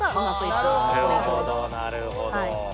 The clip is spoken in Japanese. なるほどなるほど。